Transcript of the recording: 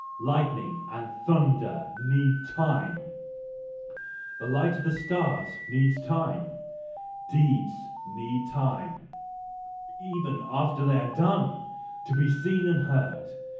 Lightning and thunder need time, the light of the stars needs time, deeds need time, even after they are done, to be seen and heard.